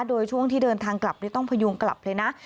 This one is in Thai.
โดยช่วงที่เดินทางกลับต้องพยุงกลับเลยนะ